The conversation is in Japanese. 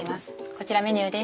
こちらメニューです。